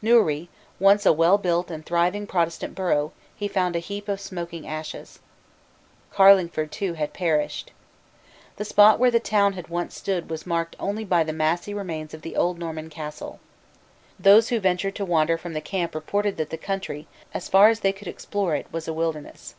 Newry, once a well built and thriving Protestant borough, he found a heap of smoking ashes. Carlingford too had perished. The spot where the town had once stood was marked only by the massy remains of the old Norman castle. Those who ventured to wander from the camp reported that the country, as far as they could explore it, was a wilderness.